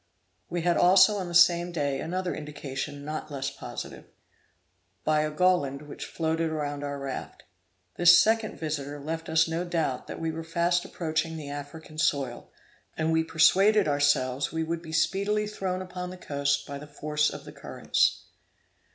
We had also on the same day another indication not less positive, by a Goeland which flew around our raft. This second visitor left us no doubt that we were fast approaching the African soil, and we persuaded ourselves we would be speedily thrown upon the coast by the force of the currents.